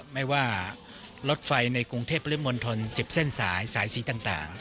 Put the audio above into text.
ไม่ว่ารถไฟในกรุงเทพปริมณฑล๑๐เส้นสายสายสีต่าง